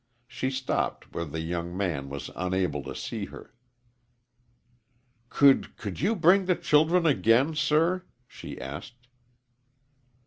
She stopped where the young man was unable to see her. "Could could you bring the children again, sir?" she asked.